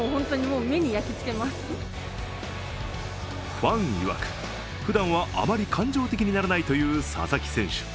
ファンいわく、ふだんはあまり感情的にならないという佐々木選手。